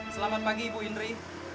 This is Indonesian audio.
selamat pagi ibu indri